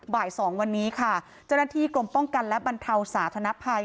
บ่าย๒วันนี้ค่ะเจ้าหน้าที่กรมป้องกันและบรรเทาสาธนภัย